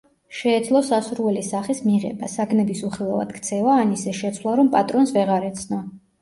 შეეძლო სასურველი სახის მიღება, საგნების უხილავად ქცევა, ან ისე შეცვლა, რომ პატრონს ვეღარ ეცნო.